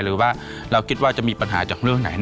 หรือว่าเราคิดว่าจะมีปัญหาจากเรื่องไหน